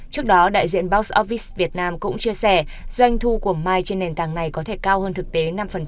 trước đó đại diện box ofvice việt nam cũng chia sẻ doanh thu của my trên nền tảng này có thể cao hơn thực tế năm